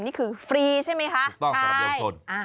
นี่คือฟรีใช่ไหมคะถูกต้องสำหรับประชาชน